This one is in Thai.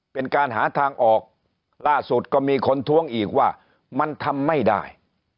เป็นการหาทางออกล่าสุดก็มีคนท้วงอีกว่ามันทำไม่ได้